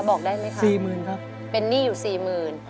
บอกได้ไหมคะสี่หมื่นครับเป็นหนี้อยู่สี่หมื่น